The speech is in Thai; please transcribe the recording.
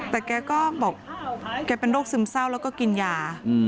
แต่แกก็บอกแกเป็นโรคซึมเศร้าแล้วก็กินยา